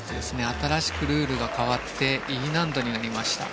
新しくルールが変わってＥ難度になりました。